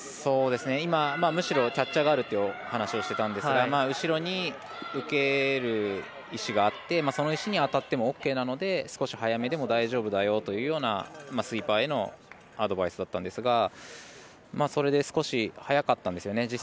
今、むしろキャッチャーがあるっていう話をしていたんですが後ろに受ける石があってその石に当たってもＯＫなので少し早めでも大丈夫だよというようなスイーパーへのアドバイスだったんですがそれで少し早かったんですよね。